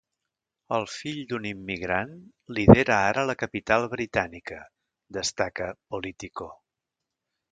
El fill d’un immigrant lidera ara la capital britànica’, destaca ‘Politico’.